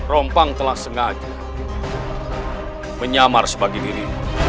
rompang telah sengaja menyamar sebagai diri